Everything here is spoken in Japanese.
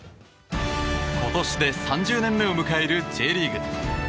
今年で３０年目を迎えるＪリーグ。